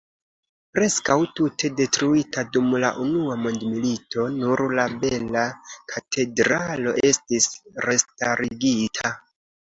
Preskaŭ tute detruita dum la unua mondmilito, nur la bela katedralo estis restarigita.